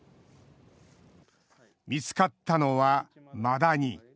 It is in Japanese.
見つかったのはマダニ。